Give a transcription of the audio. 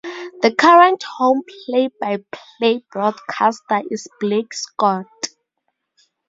The current home play-by-play broadcaster is Blake Scott.